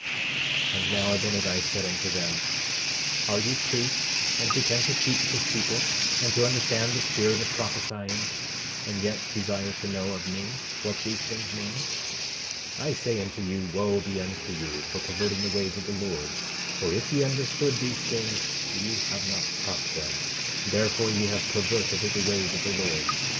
12:25 And now Abinadi said unto them: Are you priests, and pretend to teach this people, and to understand the spirit of prophesying, and yet desire to know of me what these things mean? 12:26 I say unto you, wo be unto you for perverting the ways of the Lord! For if ye understand these things ye have not taught them; therefore, ye have perverted the ways of the Lord.